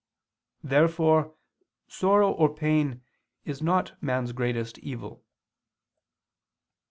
Therefore sorrow or pain is not man's greatest evil.